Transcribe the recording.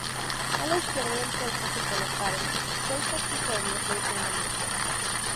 A la izquierda del cuerpo se colocaron seis accesorios de enterramiento.